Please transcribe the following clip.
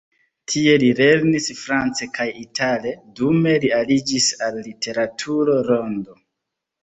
Tie li lernis france kaj itale, dume li aliĝis al literatura rondo.